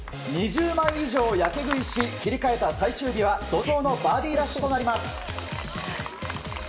２０枚以上やけ食いし切り替えた最終日は怒涛のバーディーラッシュとなります。